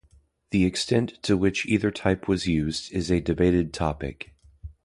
The extent to which either type was used is a debated topic.